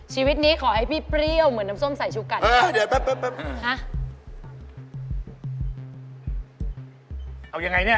ชีวิตนี้ขอให้พี่เปรี้ยวเหมือนน้ำส้มสายชูกรันเออเดี๋ยวแป๊บแป๊บแป๊บเอาไงเนี้ย